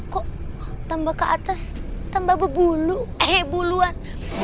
kok tambah ke atas tambah berbulu eh buluan